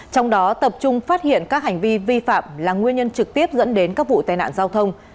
trong đó tập trung phát hiện các hành vi vi phạm là nguyên nhân trực tiếp dẫn đến các vụ tai nạn giao thông